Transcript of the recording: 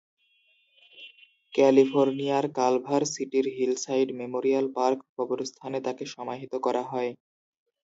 ক্যালিফোর্নিয়ার কালভার সিটির Hillside Memorial Park কবরস্থানে তাঁকে সমাহিত করা হয়।